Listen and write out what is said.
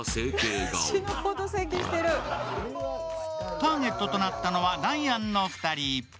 ターゲットとなったのはダイヤンの２人。